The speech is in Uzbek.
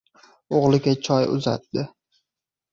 O‘g‘liga choy uzatdi.